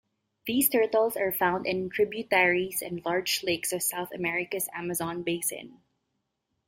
These turtles are found in tributaries and large lakes of South America's Amazon Basin.